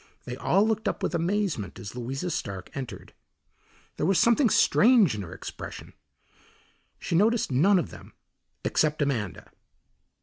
They all looked up with amazement as Louisa Stark entered. There was something strange in her expression. She noticed none of them except Amanda.